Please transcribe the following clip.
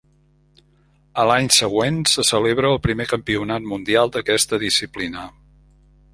A l'any següent se celebra el primer campionat mundial d'aquesta disciplina.